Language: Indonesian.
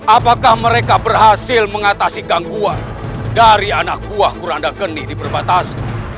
apakah mereka berhasil mengatasi gangguan dari anak buah kuranda geni diperbatasi